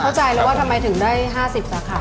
เข้าใจแล้วว่าทำไมถึงได้๕๐สาขา